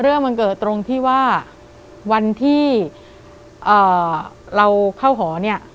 เรื่องมันเกิดตรงที่ว่าวันที่เราเข้าหอเนี่ย